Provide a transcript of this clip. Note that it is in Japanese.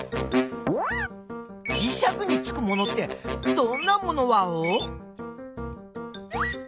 じしゃくにつくものってどんなものワオ？